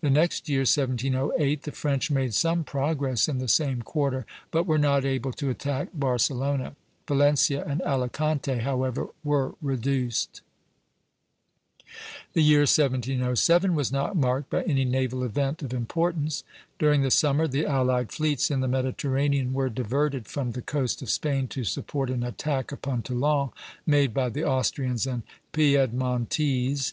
The next year, 1708, the French made some progress in the same quarter, but were not able to attack Barcelona; Valencia and Alicante, however, were reduced. The year 1707 was not marked by any naval event of importance. During the summer the allied fleets in the Mediterranean were diverted from the coast of Spain to support an attack upon Toulon made by the Austrians and Piedmontese.